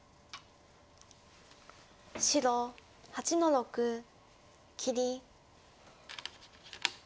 白８の六切り。